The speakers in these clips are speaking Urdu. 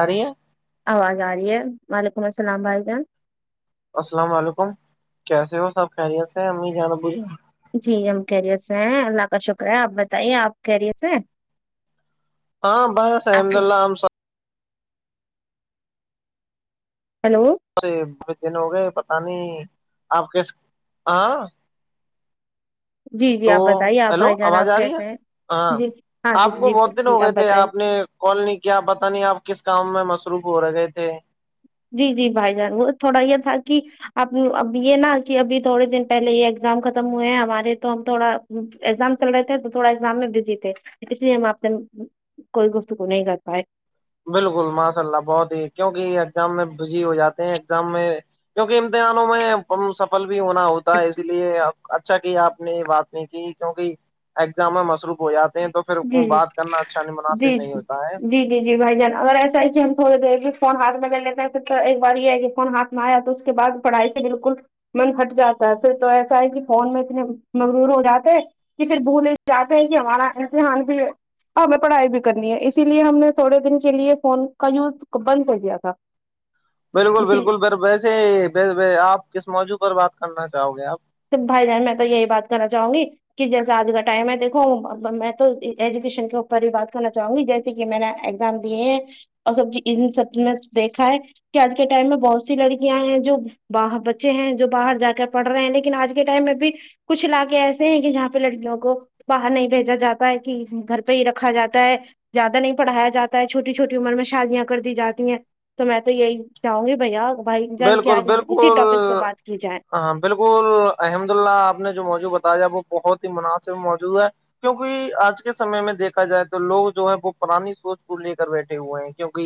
آ رہی ہے آواز آ رہی ہے وعلیکم السلام بھائی جان السلام علیکم کیسے ہو سب خیریت سے امی جان ابو جان جی ہم خیریت سے ہیں اللہ کا شکر ہے آپ بتائیے آپ خیریت سے ہاں بس آپ الحمد کے اللہ ہم سب ہیلو ویسے بہت دن ہو گئے پتہ نہیں آپ کیسے ہاں جی جی تو آپ بتائیے آپ ہیلو بھائی جان آواز آپ آ رہی ہے کیسے ہیں ہاں جی ہاں جی آپ کو جی بہت دن ہو جی گئے تھے بتائیے آپ نے کال نہیں کیا پتہ نہیں آپ کس کام میں مصروف ہو رکھے تھے جی جی بھائی جان وہ تھوڑا یہ تھا کہ اب اب یہ ناں کہ ابھی تھوڑے دن پہلے یہ ایگزام ختم ہوئے ہیں ہمارے تو ہم تھوڑا ایگزام چل رہے تھے تو تھوڑا ایگزام میں بزی تھے اس لیے ہم آپ سے کوئی گفتگو نہیں کر پائے بالکل ماشاء اللہ بہت ہی کیونکہ ایگزام میں بزی ہو جاتے ہیں ایگزام میں کیونکہ امتحانوں میں سفل بھی ہونا ہوتا ہے اسی لیے اچھا کہ آپ نے یہ بات نہیں کی کیونکہ ایگزامہ مصروف ہو جاتا تو پھر جی جی بات کرنا اچھا نہیں مناسب جی نہیں ہوتا ہے جی جی جی بھائی جان اگر ایسا ہے کہ ہم تھوڑی دیر بھی فون ہاتھ میں لے لیتے ہیں پھر تو ایک بار یہ ہے کہ فون ہاتھ یا تو اس کے بعد پڑھائی پہ بالکل من پھٹ جاتا ہے پھر تو ایسا ہے کہ فون میں اتنے مغرور ہو جاتے ہیں کہ پھر بھولے جاتے ہیں کہ ہمارا امتحان بھی اور ہمیں پڑھائی بھی کرنی ہے اسی لیے ہم نے تھوڑے دن کے لیے فون کا یوز بند کر دیا تھا بالکل اسی لیے بالکل پر ویسے آپ کس موجوع پر بات کرنا چاہو گے آپ تو بھائی جان میں تو یہی بات کرنا چاہوں گی کہ جیسا آج کا ٹائم ہے دیکھو میں تو ایجوکیشن کے اوپر ہی بات کرنا چاہوں گی جیس کہ میں نے ایگزام دیے ہیں اور سب ان سب میں دیکھا ہے کہ آج کے ٹائم میں بہت سی لڑکیاں ہیں جو باہر بچے ہیں جو باہر جا کر پڑ رہے ہیں لیک آج کے ٹائم میں بھی کچھ علاقے ایسے ہیں کہ جہاں پہ لڑکیوں کو باہر نہیں بھیجا جاتا ہے کہ گھر پہ ہی رکھا جاتا ہے زیادہ نہیں پڑھایا جاتا ہے چھوٹی چھوٹی عمر میں شادیاں کر دی جاتی ہیں تو میں تو یہی چاہوں گی بھیا بھائی جان کی بالکل آج اسی ٹاپک پہ بالکل بات کی جائے ہاں بالکل الحمد اللہ آپ نے جو موجوع بتایا وہ بہت ہی مناسب موجود ہے کیونکہ آج کے سمے میں دیکھا جائے تو لوگ جو ہے وہ پرانی سوچ کو لے کر بیٹھے ہوئے ہیں کیونک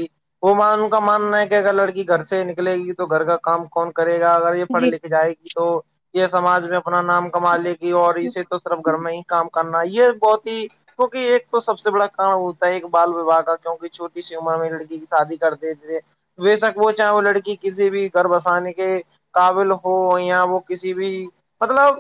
وہ ان کا ماننا ہے کہ اگر لڑکی گھر سے نکلے گی تو گھر کا کام کون کرے گا اگر یہ پڑھے جی لکھے جائے گی تو یہ سمج میں اپنا نام کما لے گی اور اسے تو صرف گھر میں ہی کام کرنا یہ بہت ہی کیونکہ ایک تو سب سے بڑا کام ہوتا ہے ایک بال وواہ کا کیوںکہ چھٹی سی عمر میں لڑکی کی شادی کرتےتے تھے وی سک وہ چاہو لڑکی کسی بھی گربسانی کے قابل ہو یا وہ کسی بھی مطلب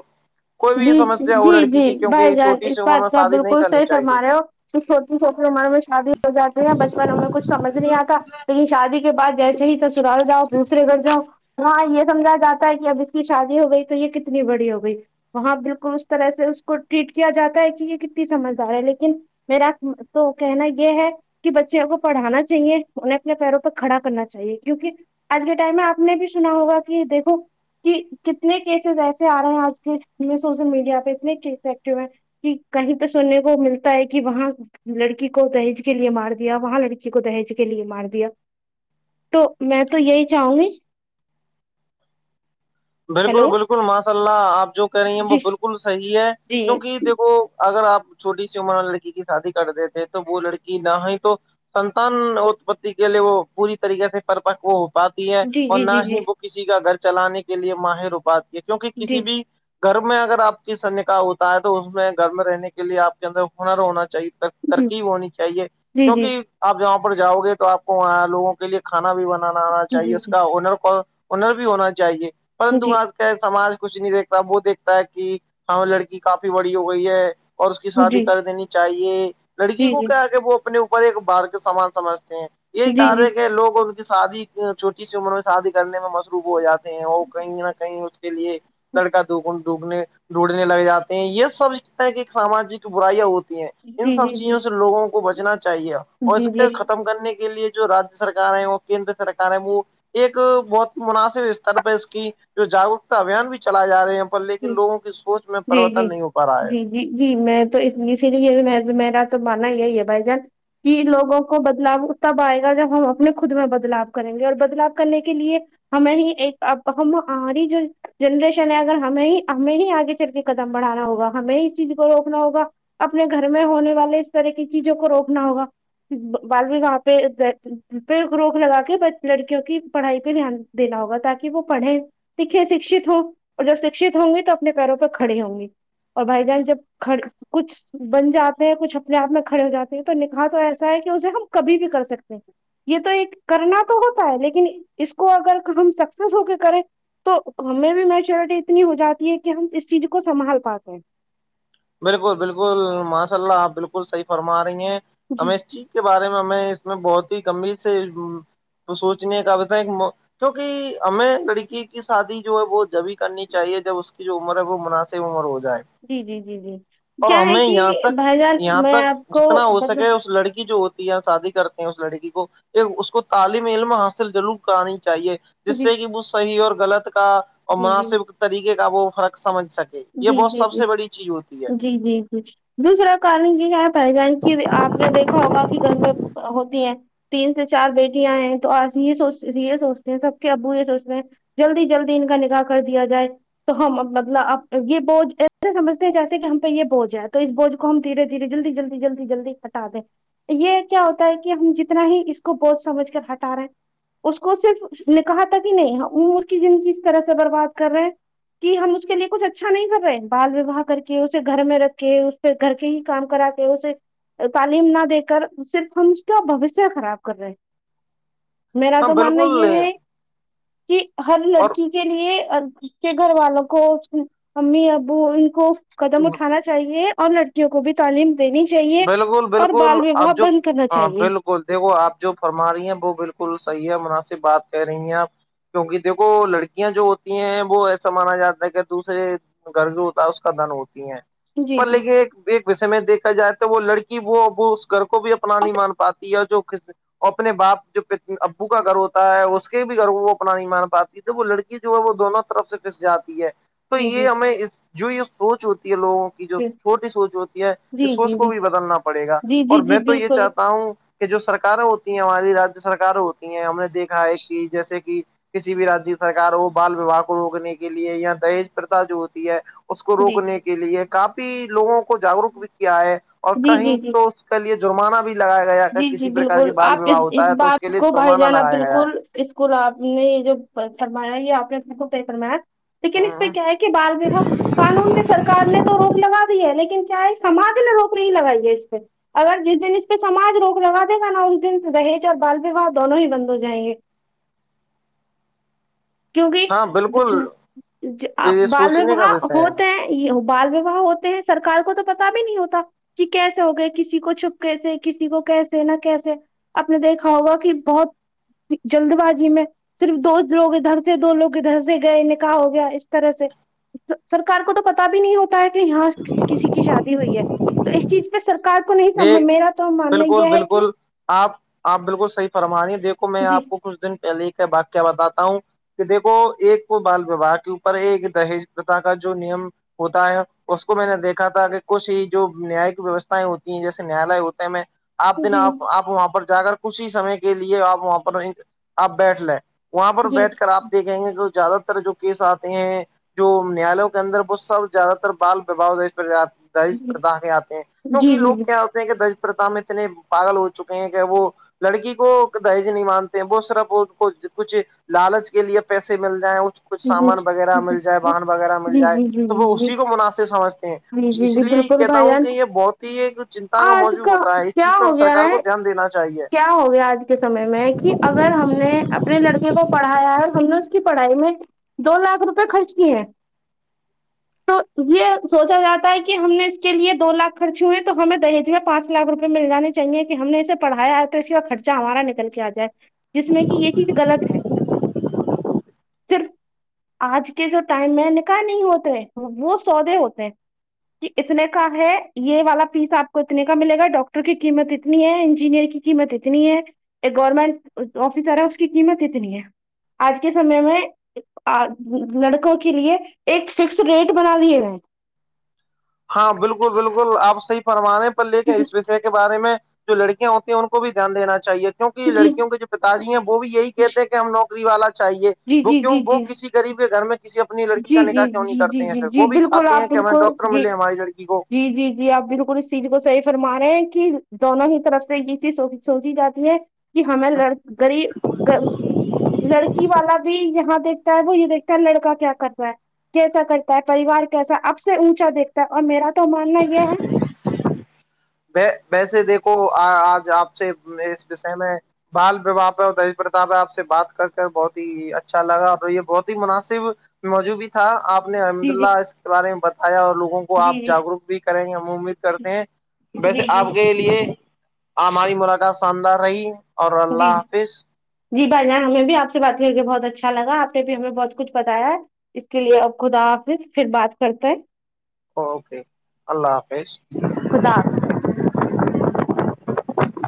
کوئی بھی جی سمسیا ہو جی لڑکی جی کی کیونکہ بھائی جان چھوٹی اس سی عمر بات میں کا شادی نہیں بالکل کرنی صحیح فرما چاہیے رہے ہو چھوٹی چھوٹے امر میں شادی ہو جاتی ہیں بچپن میں کچھ سمج نہیں آتا لیکن شادی کے بعد جیسے ہی سسرال جاؤ دوسرے گھر جاؤ ہاں یہ سمجھا جاتا ہے کہ اب اس کی شادی ہو گئی تو یہ کتنی بڑی ہو گئی وہاں بالکل اس طرح سے اس کو ٹریٹ کیا جاتا ہے کہ یہ کتنی سمجھدار ہے لیکن میرا تو کہنا یہ ہے کہ بچوں کو پڑھانا چاہیے انہیں اپنے پیروں پہ کھڑا کرنا چاہیے کیونکہ آج کے ٹائم میں آپ نے بھی سنا ہوگا کہ دیکھو کہ کتنے کیسز ایسے آ رہے ہیں آج کے اس میں سوشل میڈیا پہ اتنے کیسز ایکٹو ہیں کہ کہیں توہ سننے کو ملتا ہے کہ وہاں لڑکی کو دہج کے لیے مار دیا وہاں لڑکی کو دہج کے لیے مار دیا تو میں تو یہی چاہوں گی ہیلو بالکل بالکل ماشاء اللہ آپ جو کہہ رہی ہیں وہ جی بالکل صحیح ہے جی کیونکہ دیکھو اگر آپ چھوٹی سی عمر وال لڑکی کی شادی کرتے تھے تو وہ لڑکی نہ ہی تو سنتان اتپتی کے لیے وہ پوری طریقے سے پرپک وہ پاتی ہے جی اور جی نہ جی ہی وہ کسی کا گھر چلانے کے لیے ماہر ہو پاتی ہے کیونکہ کسی جی بھی گرب میں اگر آپ کی سن کا ہوتا ہے تو اس میں گھر میں رہنے کے لیے آپ کے اندر ہنر ہونا چاہیے جی ترکیب ہونی چاہیے جی جی جی جی کیونکہ آپ جہاں پر جاؤ گے تو آپ کو وہاں لوگوں کے لیے کھانا بھی بنانا آنا جی چاہیے اس کا انر کو انر بھی ہونا چاہیے پرنتو جی آج سماج کچھ نہیں دیکھتا وہ دیکھتا ہے کہ ہاں لڑکی کافی بڑی ہو گئی ہے اور اس کی جی شادی جی کر دینی چاہیے لڑکی کو کیا کہ وہ اپنے اوپر ایک بار کے سامان سمجھتے ہیں جی یہی جی جی جی کار جی ہے کہ لوگوں شادی چوٹی سی عمر میں شادی کرنے میں مصروف ہو جاتے ہیں وہ کہیں نہ کہیں اس کے لیے لڑکا دو گنٹ ڈوبنے روٹھنے لگ جے ہیں یہ سب چ کہ ایک ساماجک برائیاں ہوتی ہیں ان سب چیزوں سے لوگوں کو بچنا چاہیے اور جی اس کے جی ختم کرنے کے لیے جو رجیہ سرکار ہے وہ کیندر سرک ہے وہ ایک بہت مناسب استر پہ اس کو کہ جو جاگروکتا ابھیان بھی چلائے جا رہے ہیں پر لیکن جی لوگوں کی سوچ میں جی جی پرریورتن نہیں ہو پا رہا ہے جی جی جی میں تو اسی لیے میرا تو ماننا یہی ہے بھائی جان کہ لوگوں کو بدلاؤ تب آئے گا جب ہم اپنے خود میں بدلاؤ کریں گے اور بدلاؤ کرنے کے لیے ہمیں ہی ایک اب ہم ہماری جو جنریشن ہے اگر ہمیں ہی ہمیں ہی آگے چل کے قدم بڑھانا ہوگا ہمیں اس چیز کو روکنا ہوگا اپنے گھر میں ہونے والے اس طرح کی چیزوں کو روکنا ہوگا بالو وہاں پہ پہ روک لگا کے لڑکیوں کی پڑھائی پہ دھیان دینا ہوگا تاکہ وہ پڑھے لکھے شکھت ہو اور جب شک ہوں گی تو اپنے پیروں پر کھڑے ہوں گی اور بھائی جان جب کچھ بن جاتے ہیں کچھ اپنے آپ میں کھڑے ہو جات ہیں تو نکاح تو ایسا ہے کہ اسے ہم کبھی بھی کر سکتے ہیں یہ تو ایک کرنا تو ہوتا ہے لیکن اس کو اگر ہم سکسیس ہو کے کریں تو ہمیں بھی میچورٹی اتنی ہو جاتی ہے کہ ہم اس چیز کو سنبھال پاتے ہیں بالکل بالکل ماشاء اللہ آپ بالکل صحیح فرما رہی ہیں امیش جی کے بارے میں ہمیں اس میں بہت ہی گمبھیر سے سوچنے کا پتا ہے ایک کیونکہ ہمیں لڑکی کی شادی جو ہے وہ جبھی کرنی چاہیے جب اس کی جو عمر ہے وہ مناسب سی عمر ہو جائے جی جی جی جی اور کیا ہے ہمیں کہ یہاں تک بھائی جان یہاں میں تک آپ کو جتنا ہو بتا سکے اس لڑکی جو ہو شادی کرتے ہیں اس لڑکی کو یہ اس کو تعلم علم حاصل ضرور کرانی چاہیے جس جی سے کہ وہ صحیح اور غلط کا اور جی جی مناسب طریقے کا وہ فرق سمجھ سکے یہ جی بہت جی سب جی سے بڑی چیز ہوتی ہے جی جی جی دوسرا کارن یہ ہے تائی جان کی آپ نے دیکھا ہوگا کہ گھر میں ہوتی ہیں تین سے چار بیٹیاں ہیں تو آ یہ سوچ یہ سوچتے ہیں سب کے ابو یہ سوچتے ہیں جلدی جلدی ان کا نکاح کر دیا جائے تو ہم مطلب اب یہ بوجھ ایسے سجھتے ہیں جیسے کہ ہم پہ یہ بجھ ہے تو اس بوج کو ہمھیے دھیرے جلدی جلدی جلدی جلدی ہٹا دیں یہ کیا ہوتا ہے کہ ہم جتنا ہی اس کو بوجھ سمجھ کر ہٹا رہے ہیں اس کو صرف نکا ح تک ہی نہیں وہ اس کی زندگی طرح سے برباد کر رہے ہیں کہ ہم اس کے لیےکچھ اچھا نہیں کر رہے بال وواہ کر کے اسے گھر میں رکھ کے اس پہ گھر کے ہی کام کرا کے اسے تعلیم نہ دے کر صرف ہم اس کا بوشیہ خراب کر رہے میرا ہاں تو ماننا بالکل یہ ہے کہ ہر اور لڑکی کے لیے اس کے گھر والوں کو امی ابو ان کو قدم اٹھانا چاہیے اور لڑکیوں کو بھی تعلیم دینی چاہیے بالکل اور بالکل بال وواہ آپ جو بند کرنا ہاں چاہیے بالکل دیکھو آپ جو فرما رہی ہیں وہ بالکل صحیح ہے مناسب بات کہہ رہی ہیں آپ کیونکہ دیکھو لڑکیاں جو ہوتی ہیں وہ ایسا مانا جاتا ہے کہ دوسرے گرج ہوتا ہے اس کا دن ہوتی ہے جی پر جی لیکے ایک ایک وسے میں دیکھا جائے وہ لڑکی وہ وہ اس گھر کو بھی اپنا نہیں مان پاتی ہے جو ک اپنے باپ جو ابو کا گھر ہوتا ہے اس کے بھی گھر وہ اپنا نہیں مان پاتی یے تو وہ لڑکی جو ہے وہ دونوں طرف سے پھس جاتی ہے تو جی جی یہ جی ہمیں جو یہ سوچ ہوتی ہے لوگوں کی جو چھوٹی سوچ ہوتی ہے یہ جی جی سوچ جی کو بھی بدلنا پڑے گا جی اور جی جی میں تو یہ بالکل چاہتا ہوں کہ جو سرکاریے ہوتی ہیں ہماری رجیہ سرکار ہوتی ہیں ہم نے دیکھا ہے کہ جیسے کہ کسی بھی رجیہ سرک ہو بال وواہ کو روکنے کے لیے یا دہیج پرتا جو ہوتی ہے اس کو جی روکنے کے لیے کافی لوگوں کو جاگروک بھی کیا ہے اور جی کہیں جی جی تو اس کے لیے جرمانہ بھی لگایا گیا ہے جی جی کسی پرک کی بالکل بال آپ وواہ اس ہوتا ہے تو اس کے لیے جرمانہ لگایا گیا ہے اسکو آپ نے یہ جو فرمایا یہ آپ نے بلکل سھی فرمایا لیکن اس پہ کیا ہے کہ بال وواہ قانون نے سرک نے تو روک لگا دی ہے لیکن کیا اس سماج نے روک نہیں لگائی ہے اس پہ اگر جس دن اس پہ سماج روک لاگا دے گا نا اس دن دہیج اور بال وواہ دونوں ہی بند ہو جائیں گے کیونکہ ہاں بالکل جی یہ بال سوچنے کا وواہ وشے ہے ہوتے ہیں یہ بال وواہ ہوتے ہیں سرار کو تو پتا بھی نہیں ہوتا کہ کیسے ہو گئے کسی کو چھپکیسے کسی کو کیسے نہ کیسے آپ نے دیکھا ہوگا کہ بہت جلد بازی میں صرف دو لوگ ادھر سے دو لوگ ادھر سے گئے نکا ح ہو گیا اس طرح سے سرکار کو تو پتا بھی نہیں ہوتا ہے کہ یہاں کسی کی شادی ہوئی ہے تو اس چیز پہ سرار کو نہیں سمجھ دیکھ میرا تو ماننا بالکل یہ ہے کہ بالکل آپ آپ بالکل صحیی فرما رہی ہے دیکھوں میں جی آپ کو کچھ دن پہلے کا واقع بتاتا ہوں کہ دیکھو ایک تو بال وواہ کے اوپر ایک دہج پرتا کا جو نیم ہوتا ہے اس کو میں نے دیکھا تھا کہ کچھ ہی جو نیاک ویوستھائیں ہوتی جیسے نیالے ہوتے ہیں میں آپ دن جی آپ آپ وہاں پر جا کر اسی سمے کے لیے آپ وہاں پر ایک آپ بیٹھ لیں وہاں پر جی بیٹھ کر آپ دیکھیں گے کہ زیادہ جو کیس آتے ہیں جو نیالوں کے اندر وہ سب زیادہ تر بال وب درج جی پرتا ہے آپ کے کیوںکہ جی جی لوگ جی کیا ہوتے ہیں کہ درج پرتاا میں اتنے پاگل ہو چکے ہیں کہ وہ لڑکی کو دائج نہیں مانتے ہیں بہت سرا کچھ لالچ کے لیے پیسے مل جائیں کچھ جی جی سامان وغیرہ جی مل جائے ون وغیرہ مل جی جائے جی تو وہ جی جی اسی کو مناسب سمجھتے ہیں جی اس لیے ہی کہتا ہوں کہ یہ بہت ہی چنتا کا آج موجو ہوتا ہے اس کیا چیز پہ ہم ہو گیا سرار کو ہے دھیان دینا چاہیے کیا ہو گیا آج کے سمے میں کہ اگر ہم نے اپنے لڑکے کو پڑھایا ہے اور ہم نے اس کی پڑھائی میں دو لاکھ روپئے خرچ کی ہے تو یہ سوچا جاتا ہے کہ ہم نے اس کے لیے دو لاکھ خرچے ہوئے تو ہمیں دہیج میں پانچ لاکھ روپئے مل جانے چاہیے کہ ہم نے اسے پڑایا ہے تو اس کا خرچہ ہمارا نکل کے آ جائے جس میں کہ یہ چیز غلط ہے صرف آج کے جو ٹائم میں نکاح نہیں ہوتے وہ سودے ہوتے ہیں کہ اتنے کا ہے یہ والا فیس آپ کو اتنے کا ملے گا ڈاکٹر کی قیمت اتنی ہے انجینئر کی قیمت اتنی ہے ایک گورنمنٹ آفیسر ہے اس کی قیمت اتنی ہے آج کے سمے میں آ لڑکوں کے لیے ایک فکسڈ ریٹ بنا دیئے ہے ہاں بالکل بالکل آپ صحیح فرما رہے پر لے کے اس وشے کے بارے میں جو لڑکیاں ہوتی ہیں ان کو بھی دھیان دینا چاہے کیونکہ جی لڑکوں کے جو پتاجی ہیں وہ بھی یہی کہتے ہیں کہ ہم نوکری والا چاہیے جی وہ جی کیوں جی وہ جی کسی غریب کے گھر میں کسی اپنی لڑکی کا جی نکاح جی کیوں نہیں جی جی کرتے ہیں جی پھر جی وہ بھی بالکل چاہتے ہیں آپ کہ ہم بالکل ڈاکٹر جی ملے ہماری لڑکی کو جی جی جی آپ بالکل اس چیز کو صحیح فرما رہے ہیں کہ دونوں ہی طرف سے یہ چیز سوچی جاتی ہے کہ ہمیں لڑ غریب لڑکی والا بھی یہاں دیک وہ یہ دیکتا ہے لڑکا کیا کرتا ہے کیسا کرتا ہے پریوار کیسا اب سے اونچا دیکھتا ہے اور میرا تو ماننا یہ ہے ویسے دیکھو آج آپ سے اس وشے میں بال ویوہ پر اور دش پرتاپ ہے آپ سے بات کر بہت ہی اچھا لگا اور یہ بہت ہی مناسب موضوع بھی تھا آپ نے احمد جی جی اللہ اس کے بارے میں بتایا اور لوگوں کو جی آپ جی جاگروک بھی کریں گے ہم امید کرتے ہیں ویسے جی آپ جی کے لیے ہماری ملاقات شاندار رہی اور جی اللہ حافظ جی بھائی جان ہم بھی آپ سے بات کر کے بہت اچھا لگ آپ نے بھی ہمیں بہت کچھ بتایا ہے اس کے لیے اب خدا حافظ پھر بات کرتے ہے اوکے اللہ حافظ خدا حافظ